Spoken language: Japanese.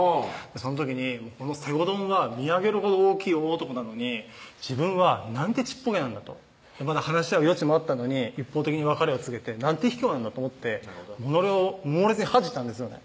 その時にこの西郷どんは見上げるほど大きい大男なのに自分はなんてちっぽけなんだとまだ話し合う余地もあったのに一方的に別れを告げてなんてひきょうなんだと思って己を猛烈に恥じたんですよね